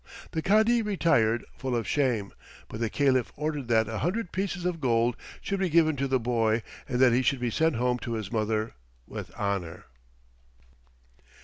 The Cadi retired, full of shame, but the Caliph ordered that a hundred pieces of gold should be given to the boy and that he should be sent home to his mother with honor.